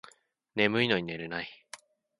眠いのに寝れない